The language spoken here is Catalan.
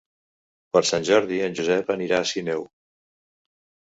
Per Sant Jordi en Josep anirà a Sineu.